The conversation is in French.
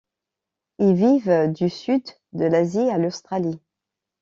Ils vivent du Sud de l'Asie à l'Australie.